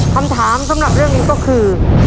คำถามสำหรับเรื่องนี้ก็คือ